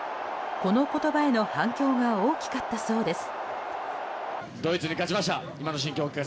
この言葉への反響が大きかったそうです。